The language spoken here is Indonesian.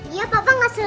iya papa gak seru